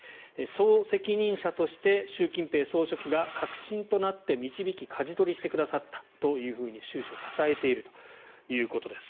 総責任者として習近平総書記が核心となって導きかじ取りしてくださったと習氏をたたえているということです。